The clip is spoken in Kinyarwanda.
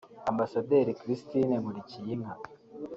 Ambasaderi Christine Nkulikiyinka